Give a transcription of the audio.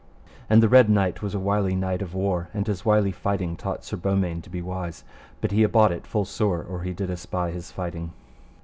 And the Red Knight was a wily knight of war, and his wily fighting taught Sir Beaumains to be wise; but he abought it full sore or he did espy his fighting.